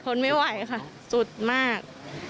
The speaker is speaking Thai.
ทนไม่ไหวค่ะสุดมาก